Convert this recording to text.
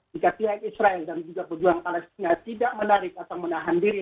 jika pihak israel dan juga pejuang palestina tidak menarik atau menahan diri